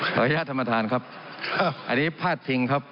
ขออนุญาตสัมภาษณ์ครับอันนี้พลาดสิงค์ครับ